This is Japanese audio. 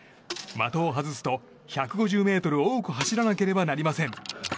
的を外すと１５０ｍ多く走らなければなりません。